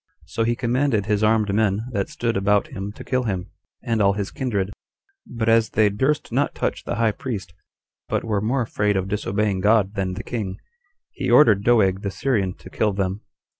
So he commanded his armed men that stood about him to kill him, and all his kindred; but as they durst not touch the high priest, but were more afraid of disobeying God than the king, he ordered Doeg the Syrian to kill them.